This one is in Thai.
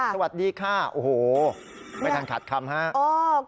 ใช่ค่ะโอ้โฮไม่ทันขาดคำฮะสวัสดีค่ะ